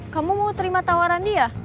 kamu mau terima tawaran dia